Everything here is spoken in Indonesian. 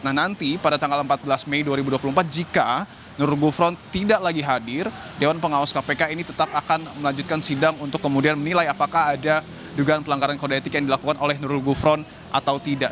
nah nanti pada tanggal empat belas mei dua ribu dua puluh empat jika nurul gufron tidak lagi hadir dewan pengawas kpk ini tetap akan melanjutkan sidang untuk kemudian menilai apakah ada dugaan pelanggaran kode etik yang dilakukan oleh nurul gufron atau tidak